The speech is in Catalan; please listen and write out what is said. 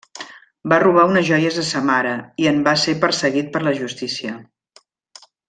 Va robar unes joies a sa mare, i en va ser perseguit per la justícia.